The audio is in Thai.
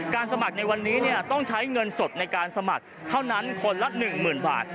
สมัครในวันนี้ต้องใช้เงินสดในการสมัครเท่านั้นคนละ๑๐๐๐บาท